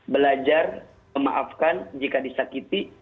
belajar memaafkan jika disakiti